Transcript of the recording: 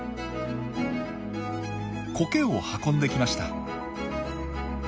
コケを運んできました。